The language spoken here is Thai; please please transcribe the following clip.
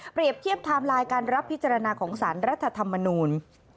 เปรียบเทียบทางลายการรับพิจารณาของสารรัฐธรรมนูล